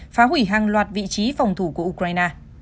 phá hủy hàng loạt vị trí phòng thủ của ukraine